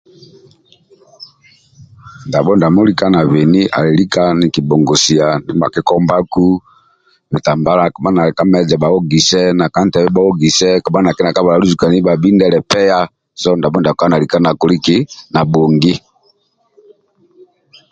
Ndabho lika nabeni ali nibhakikombaku bitambala kabha nali ka meza bhaogise na kantebe bhaogise kabha neki nakakabhala luzukai bhabhinde lepeya so ndabho ndiako alika nakoli eki nabhongi